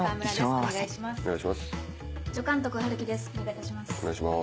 お願いします。